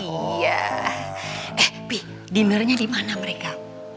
iya eh pi dinner nya di mana mereka